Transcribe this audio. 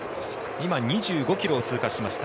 今２５ｋｍを通過しました。